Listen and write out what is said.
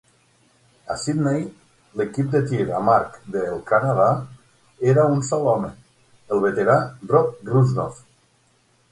A Sidney l'equip de tir amb arc del Canadà era un sol home, el veterà Rob Rusnov.